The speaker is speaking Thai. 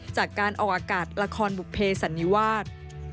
จากการออกอากาศละครบุภเพสันนิวาส